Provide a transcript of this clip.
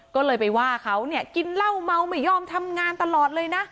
ก็เลยไปว่าเขาเนี่ยกินเหล้าเมาไม่ยอมทำงานตลอดเลยนะ